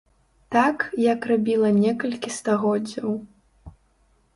Так, як рабіла некалькі стагоддзяў.